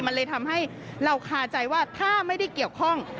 มันเลยทำให้เราคาใจว่าถ้าไม่ได้เกี่ยวข้อง